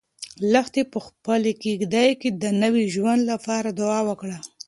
لښتې په خپلې کيږدۍ کې د نوي ژوند لپاره دعا وکړه.